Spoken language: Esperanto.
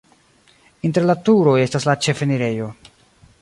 Inter la turoj estas la ĉefenirejo.